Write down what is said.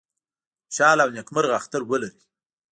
خوشاله او نیکمرغه اختر ولرئ